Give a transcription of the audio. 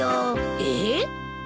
えっ？